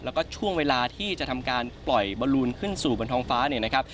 แล้วก็ช่วงเวลาที่จะทำการปล่อยบอลลูนขึ้นสู่บนท้องฟ้าเนี่ยนะครับ